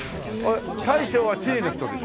大将はチリの人でしょ？